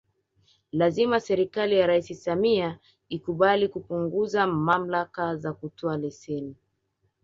Lazima serikali ya Rais Samia ikubali kupunguza mamlaka za kutoa leseni